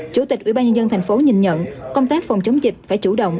chủ tịch ủy ban nhân dân tp nhìn nhận công tác phòng chống dịch phải chủ động